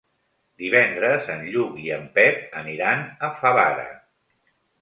Divendres en Lluc i en Pep aniran a Favara.